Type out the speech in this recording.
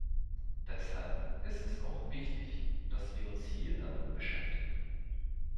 Deshalb ist es auch wichtig, dass wir uns hier damit beschäftigen.